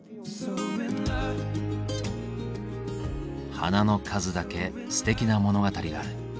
花の数だけすてきな物語がある。